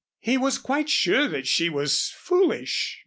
He was quite sure that she was foolish.